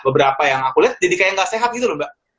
beberapa yang aku lihat jadi kayak gak sehat gitu loh mbak